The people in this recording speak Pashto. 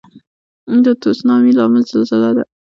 د تسونامي لامل زلزله ده.